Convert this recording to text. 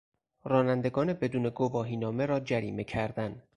رانندگان بدون گواهینامه را جریمه کردن